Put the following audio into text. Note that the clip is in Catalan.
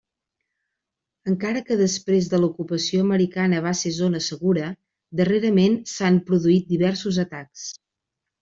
Encara que després de l'ocupació americana va ser zona segura, darrerament s'han produït diversos atacs.